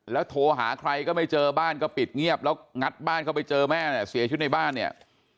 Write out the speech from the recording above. โทรหาใครก็ไม่เจอบ้านก็ปิดเงียบแล้วงัดบ้านเข้าไปเจอแม่เนี่ยเสียชีวิตในบ้านเนี่ย